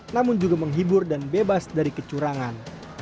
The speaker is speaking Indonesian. namun juga menghibur dan bebas dari kecurangan